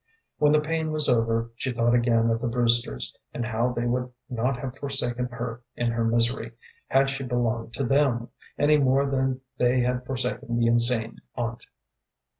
When the pain was over she thought again of the Brewsters, and how they would not have forsaken her in her misery, had she belonged to them, any more than they had forsaken the insane aunt.